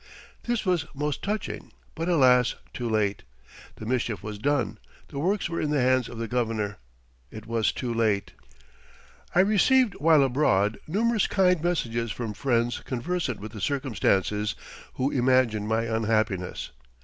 This was most touching, but, alas, too late. The mischief was done, the works were in the hands of the Governor; it was too late. I received, while abroad, numerous kind messages from friends conversant with the circumstances, who imagined my unhappiness.